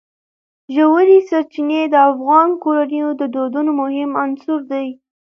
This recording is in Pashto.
ژورې سرچینې د افغان کورنیو د دودونو مهم عنصر دی.